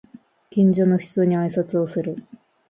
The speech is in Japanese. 近所の人に挨拶をする